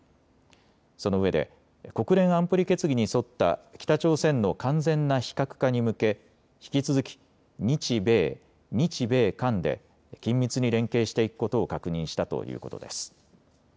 そのうえで国連安保理決議に沿った北朝鮮の完全な非核化に向け引き続き日米、日米韓で緊密に連携していくことを確認したということです。